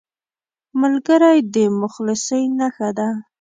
ملګری د مخلصۍ نښه ده